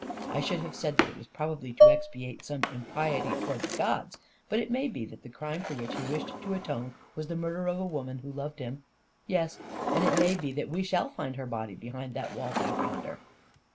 I should have said that it was prob ably to expiate some impiety towards the gods; but it may be that the crime for which he wished to atone was the murder of a woman who loved him; yes — and it may be that we shall find her body be hind that wall back yonder."